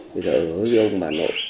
bây giờ ở với ông bà nội